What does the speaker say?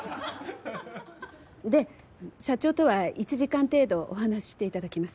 で社長とは１時間程度お話ししていただきます。